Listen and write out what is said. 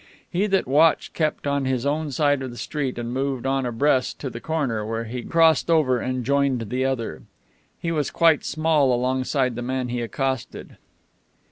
He that watched kept on his own side the street and moved on abreast to the corner, where he crossed over and joined the other. He was quite small alongside the man he accosted.